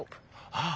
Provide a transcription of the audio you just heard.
ああ！